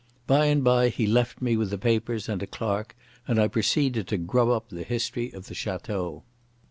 By and by he left me with the papers and a clerk, and I proceeded to grub up the history of the Château.